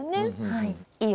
はい。